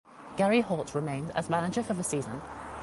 Gary Holt remained as manager for the season.